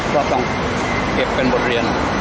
ก็ต้องเก็บเป็นบทเรียน